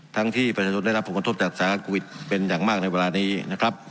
ทั้งที่ประชาชนได้รับผลความทดจากสถานกวิทย์เป็นอย่างมากในเวลานี้นะครับ